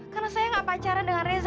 karena saya nggak pacaran dengan reza